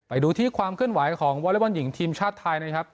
ไปดูที่ความขึ้นไหวของวอลเลฟอลหญิงทีมชาติไทยนะครับ